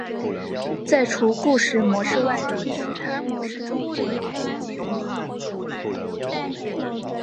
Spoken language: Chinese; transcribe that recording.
在除故事模式外的其他模式中则与自机无异。